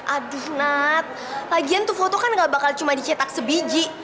aduh nat lagian tuh foto kan gak bakal cuma dicetak sebiji